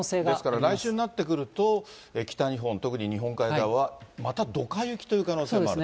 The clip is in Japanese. ですから来週になってくると北日本、特に日本海側はまたドカ雪という可能性もある。